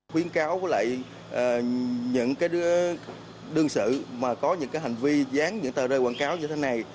khuyến cáo với lại những đương sự mà có những hành vi dán những tờ rơi quảng cáo như thế này